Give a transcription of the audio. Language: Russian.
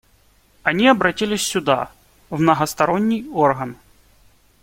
Они обратились сюда, в многосторонний орган.